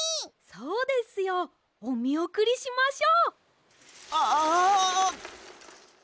そうですよ。おみおくりしましょう！ああ。